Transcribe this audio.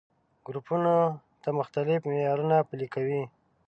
ګروپونو ته مختلف معيارونه پلي کوي.